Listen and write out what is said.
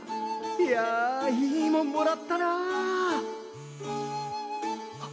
いやいいもんもらったな！